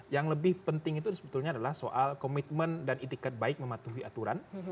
yang lebih penting itu sebetulnya adalah soal komitmen dan itikat baik mematuhi aturan